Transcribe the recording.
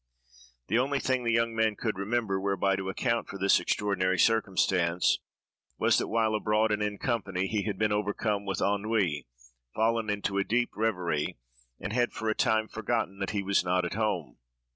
The only thing the young man could remember, whereby to account for this extraordinary circumstance, was, that while abroad, and in company, he had been overcome with ennui, fallen into a deep reverie, and had for a time forgotten that he was not at home.